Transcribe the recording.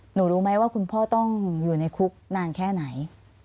รู้ไหมว่าคุณพ่อต้องอยู่ในคุกนานแค่ไหน